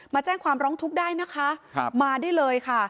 มาแจ้งความร้องทุกข์ได้นะคะมาได้เลยค่ะ